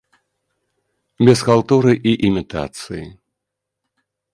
Без халтуры і імітацыі.